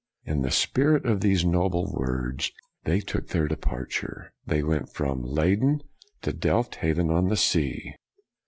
In the spirit of these noble words, they took their de parture. They went from Leyden to Delft Haven on the sea.